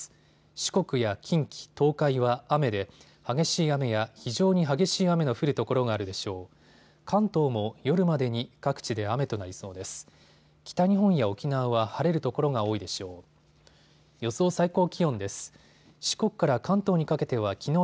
四国や近畿、東海は雨で激しい雨や非常に激しい雨の降る所があるでしょう。